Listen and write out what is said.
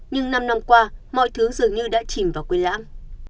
nhưng năm năm qua mọi thứ dường như đã chìm vào quyền lãm